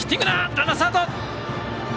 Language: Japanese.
ランナー、スタート！